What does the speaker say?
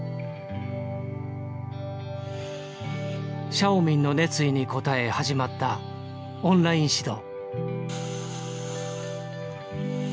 シャオミンの熱意に応え始まったオンライン指導。